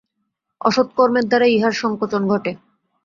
অসৎ কর্মের দ্বারা ইহার সঙ্কোচন ঘটে।